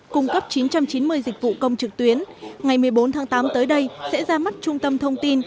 cung cấp chín trăm chín mươi dịch vụ công trực tuyến ngày một mươi bốn tháng tám tới đây sẽ ra mắt trung tâm thông tin